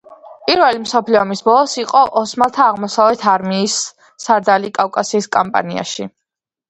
პირველი მსოფლიო ომის ბოლოს იყო ოსმალთა აღმოსავლეთის არმიის სარდალი კავკასიის კამპანიაში.